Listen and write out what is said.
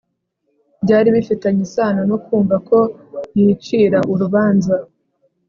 byari bifitanye isano no kumva ko yicira urubanza